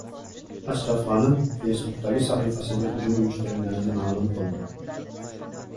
Ashraf G‘ani "Facebook"dagi sahifasiga hujum uyushtirilganini ma’lum qildi